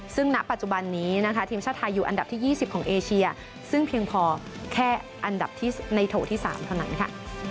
ซึ่งณปัจจุบันนี้นะคะทีมชาติไทยอยู่อันดับที่๒๐ของเอเชียซึ่งเพียงพอแค่อันดับที่ในโถที่๓เท่านั้นค่ะ